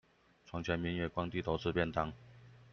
床前明月光，低頭吃便當